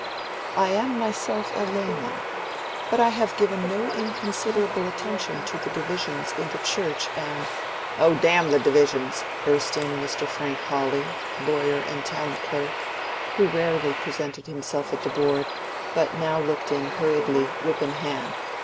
I myself am a layman, but I have given no inconsiderable attention to the divisions in the Church and—" "Oh, damn the divisions!" burst in Mr. Frank Hawley, lawyer and town clerk, who rarely presented himself at the board, but now looked in hurriedly, whip in hand.